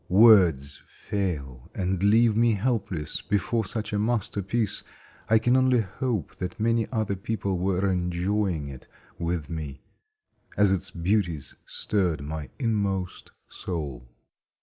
Words fail, and leave me helpless before such a masterpiece I can only hope that many other people were enjoying it with me, as its beauties stirred my inmost soul.